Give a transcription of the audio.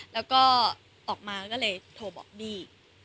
แล้วก็ออกมาก็เลยโทรบอกบี้